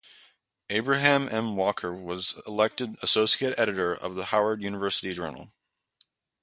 Abraham M. Walker was elected associate editor of the Howard University Journal.